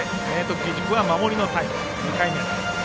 義塾は守りのタイム、２回目。